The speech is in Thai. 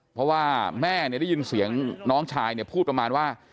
เพราะว่าแม่ได้ยินเสียงน้องชายเนี่ยพูดประมาณว่า